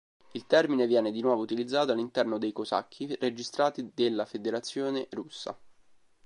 Il termine viene di nuovo utilizzato all'interno dei Cosacchi registrati della Federazione Russa.